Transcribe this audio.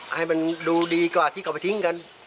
ให้มันดูดีกว่าที่เขาไปทิ้งกัน